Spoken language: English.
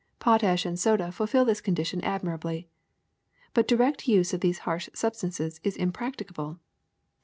Potash and soda fulfil this condition ad mirably. But direct use of these harsh substances is impracticable.